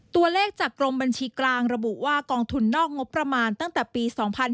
ตัวเลขจากกรมบัญชีกลางระบุว่ากองทุนนอกงบประมาณตั้งแต่ปี๒๕๕๙